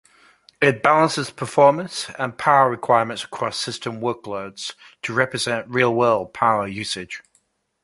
It balances performance and power requirements across system workloads to represent real-world power usage.